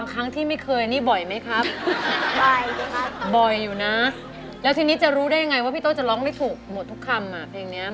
ไวมั้ยเนี่ยทนัดครับ